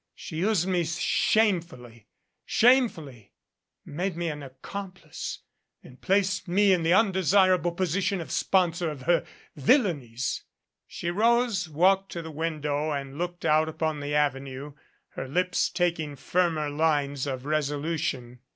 She has used me shamefully shamefully made me an accom plice, and placed me in the undesirable position of spon sor for her villainies." She rose, walked to the window and looked out upon the Avenue, her lips taking firmer lines of resolution.